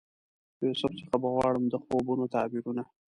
له یوسف څخه به غواړم د خوبونو تعبیرونه